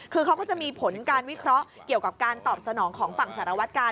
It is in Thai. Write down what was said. คือเขาก็จะมีผลการวิเคราะห์เกี่ยวกับการตอบสนองของฝั่งสารวัตกาล